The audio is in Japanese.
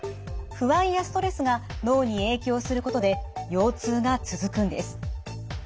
不安やストレスが脳に影響することで腰痛が続くんです。